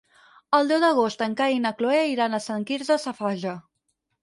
El deu d'agost en Cai i na Cloè iran a Sant Quirze Safaja.